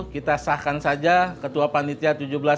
kita sahkan saja ketua panitia tujuh belas an tahun ini adalah